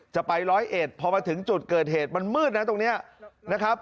จะไปร้อยเอ็ดพอมาถึงจุดเกิดเหตุมันมืดนะตรงนี้นะครับ